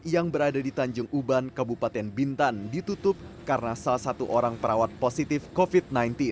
yang berada di tanjung uban kabupaten bintan ditutup karena salah satu orang perawat positif covid sembilan belas